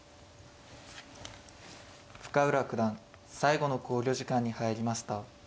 深浦九段最後の考慮時間に入りました。